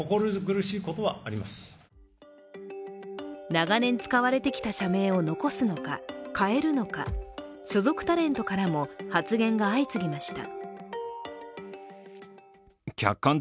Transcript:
長年使われてきた社名を残すのか変えるのか所属タレントからも発言が相次ぎました。